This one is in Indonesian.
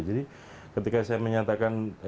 jadi ketika saya menyatakan